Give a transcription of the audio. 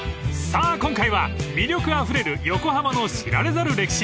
［さぁ今回は魅力あふれる横浜の知られざる歴史］